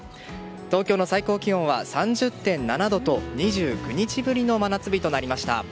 東京の最高気温は３０．７度と２９日ぶりの真夏日となりました。